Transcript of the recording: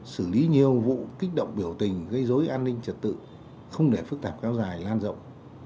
xử lý nhiều vụ kích động biểu tình gây dối an ninh trật tự không để phức tạp kéo dài lan rộng